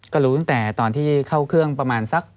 ก็รู้ตั้งแต่ตอนที่เข้าเครื่องประมาณสัก